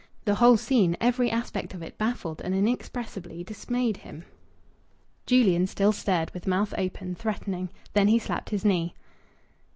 The whole scene, every aspect of it, baffled and inexpressibly dismayed him. Julian still stared, with mouth open, threatening. Then he slapped his knee.